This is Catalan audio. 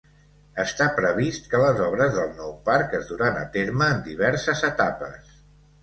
Està previst que les obres del nou parc es duran a terme en diverses etapes.